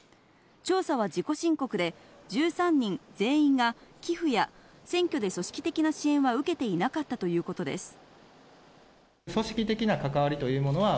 調査は自己申告で、１３人全員が、寄付や選挙で組織的な支援は受けていなかったとい組織的な関わりというものは、